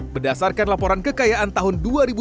berdasarkan laporan kekayaan tahun dua ribu dua puluh